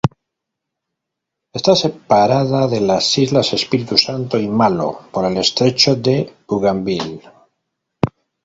Está separada de las islas Espíritu Santo y Malo por el estrecho de Bougainville.